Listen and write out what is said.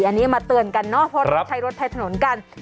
อันนี้มาเตือนกันเนอะเพราะเราใช้รถใช้ถนนกัน